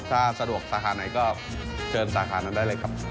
ถ้าสะดวกสาขาไหนก็เชิญสาขานั้นได้เลยครับ